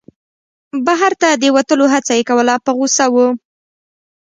بهر ته د وتلو هڅه یې کوله په غوسه و.